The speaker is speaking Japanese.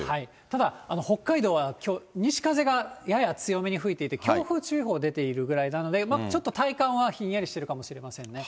ただ北海道は、きょう西風がやや強めに吹いていて、強風注意報が出ているぐらいなので、ちょっと体感はひんやりしてるかもしれません。